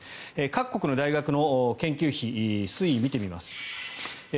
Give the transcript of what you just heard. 各国の大学の研究費推移を見てみます。